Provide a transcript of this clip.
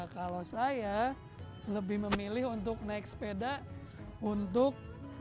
kalau saya lebih memilih untuk naik sepeda untuk